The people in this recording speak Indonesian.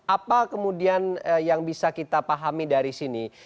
apa kemudian yang bisa kita pahami dari sini